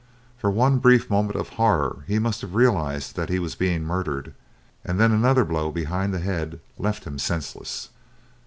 For one brief moment of horror he must have realised that he was being murdered, and then another blow behind the head left him senseless.